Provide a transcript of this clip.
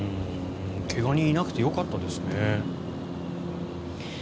怪我人がいなくてよかったですね。